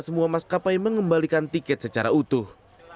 mas kapai mengembalikan tiket secara utuh